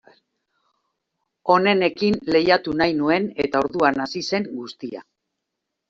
Onenekin lehiatu nahi nuen, eta orduan hasi zen guztia.